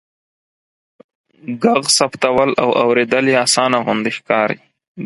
ږغ ثبتول او اوریدل يې آسانه غوندې ښکاري.